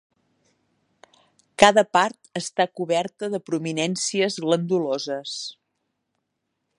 Cada part està coberta de prominències glanduloses.